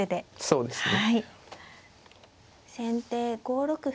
そうですね。